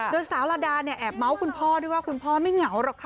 โดยสาวลาดาเนี่ยแอบเมาส์คุณพ่อด้วยว่าคุณพ่อไม่เหงาหรอกค่ะ